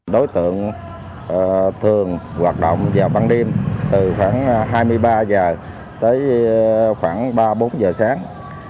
đối tượng thường hoạt động vào ban đêm từ khoảng hai mươi ba h tới khoảng ba bốn giờ sáng